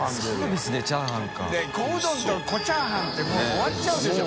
Δ匹鵑小チャーハンってもう終わっちゃうでしょ